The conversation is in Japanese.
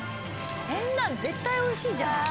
こんなん絶対おいしいじゃない。